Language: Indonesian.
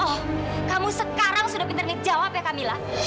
oh kamu sekarang sudah pinter nih jawab ya kamila